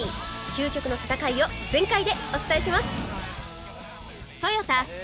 究極の戦いを全開でお伝えします。